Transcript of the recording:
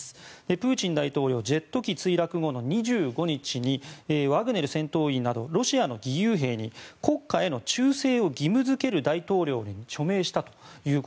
プーチン大統領はジェット機墜落後の２５日にワグネル戦闘員などロシアの義勇兵に国家への忠誠を義務付ける大統領令に署名したと。